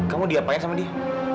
kamu diapain sama dia